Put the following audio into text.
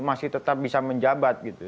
masih tetap bisa menjabat gitu